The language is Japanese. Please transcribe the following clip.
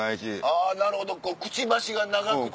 あぁなるほどくちばしが長くて。